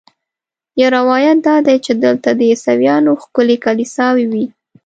یو روایت دا دی چې دلته د عیسویانو ښکلې کلیساوې وې.